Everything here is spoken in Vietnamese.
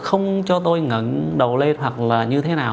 không cho tôi ngẩn đầu lên hoặc như thế nào